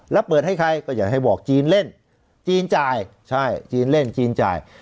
แล้วเปิดให้ใครก็อยากให้บอกจีนเล่นจีนจ่ายใช่จีนเล่นจีนจ่าย